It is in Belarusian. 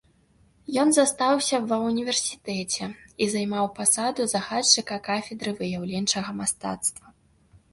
Ён застаўся ва ўніверсітэце і займаў пасаду загадчыка кафедры выяўленчага мастацтва.